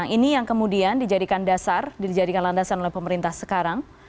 ini yang kemudian dijadikan dasar dijadikan landasan oleh pemerintah sekarang